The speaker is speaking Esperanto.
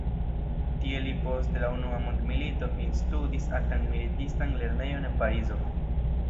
Tie li post la unua mondmilito finstudis Altan militistan lernejon en Parizo.